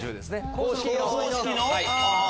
公式の！